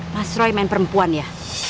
mas roy main perempuan ya